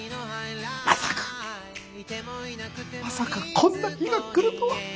まさかまさかこんな日が来るとは。